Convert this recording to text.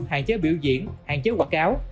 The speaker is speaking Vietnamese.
hạn chế biểu diễn hạn chế quảng cáo